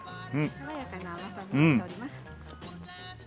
爽やかな甘さになっております。